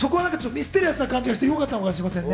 ミステリアスな感じがしてよかったのかもしれませんね。